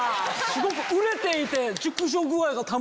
すごく熟れていて。